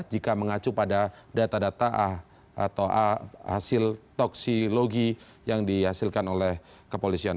jika mengacu pada data data a atau hasil toksiologi yang dihasilkan oleh kepolisian